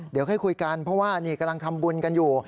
เดี๋ยวค่อยคุยกันเพราะว่านี่กำลังทำบุญกันอยู่